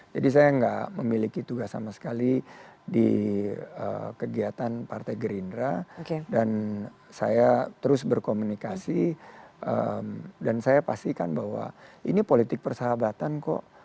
jadi saya nggak memiliki tugas sama sekali di kegiatan partai gerindra dan saya terus berkomunikasi dan saya pastikan bahwa ini politik persahabatan kok